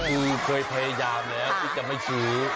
คือเคยพยายามแล้วที่จะไม่ซื้อ